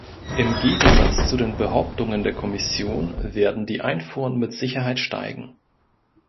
Im Gegensatz zu den Behauptungen der Kommission werden die Einfuhren mit Sicherheit steigen.